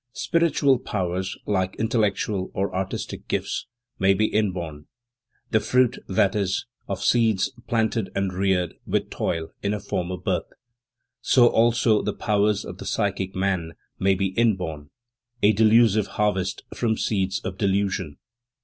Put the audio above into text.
Spiritual powers, like intellectual or artistic gifts, may be inborn: the fruit, that is, of seeds planted and reared with toil in a former birth. So also the powers of the psychic man may be inborn, a delusive harvest from seeds of delusion.